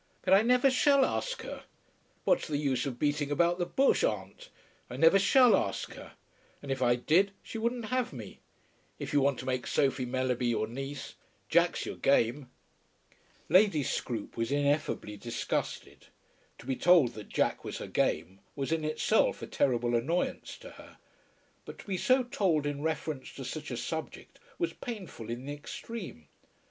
"But I never shall ask her. What's the use of beating about the bush, aunt? I never shall ask her; and if I did, she wouldn't have me. If you want to make Sophie Mellerby your niece, Jack's your game." Lady Scroope was ineffably disgusted. To be told that "Jack was her game" was in itself a terrible annoyance to her. But to be so told in reference to such a subject was painful in the extreme.